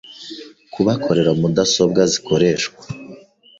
kubakorera mudasobwa zikoreshwa